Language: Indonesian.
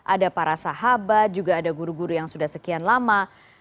ada para sahabat juga ada guru guru yang sudah sekian lama